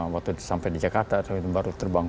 waktu sampai di jakarta baru terbang